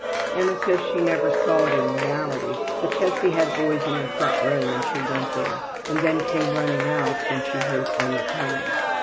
'' Emma says she never saw it in reality, but Tessie had boys in their front room when she went there, and then came running out when she heard Emma coming.